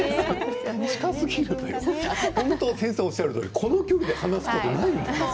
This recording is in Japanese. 先生がおっしゃるとおりこの距離で話すことないですもんね。